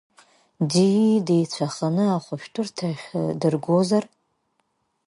Ди деицәаханы, ахәышәтәырҭахь дыргозар?